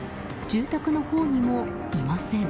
住宅のほうにもいません。